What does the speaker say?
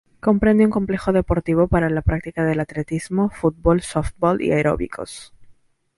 Comprende un complejo deportivo para la práctica del atletismo, fútbol, sóftbol y aeróbicos.